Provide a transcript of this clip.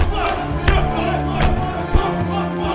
kalian menyingkirlah dan cari tempat aman